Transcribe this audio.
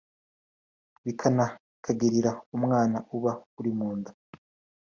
binakagirira umwana uba uri mu nda